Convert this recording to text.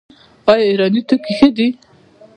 آیا ایراني توکي ښه دي؟